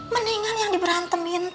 mendingan yang diberantemin